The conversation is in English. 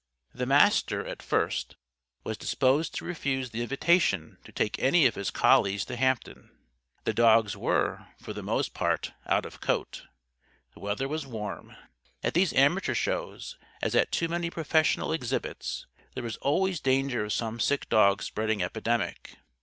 The Master, at first, was disposed to refuse the invitation to take any of his collies to Hampton. The dogs were, for the most part, out of coat. The weather was warm. At these amateur shows as at too many professional exhibits there was always danger of some sick dog spreading epidemic.